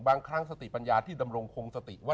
บางครั้งสติปัญญาที่ดำรงคงสติว่า